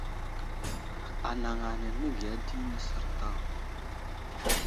Anaŋ ane nəgiya di nəsər daw.